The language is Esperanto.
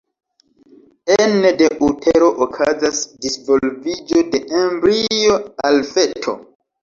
Ene de utero okazas disvolviĝo de embrio al feto.